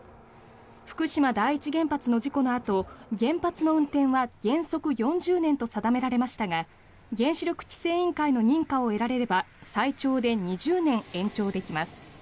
福島第一原発の事故のあと原発の運転は原則４０年と定められましたが原子力規制委員会の認可を得られれば最長で２０年延長できます。